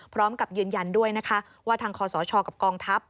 พร้อมกับยืนยันด้วยนะคะว่าทางคอสชกับกองทัพ